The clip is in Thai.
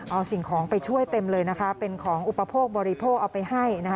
เอาสิ่งของไปช่วยเต็มเลยนะคะเป็นของอุปโภคบริโภคเอาไปให้นะคะ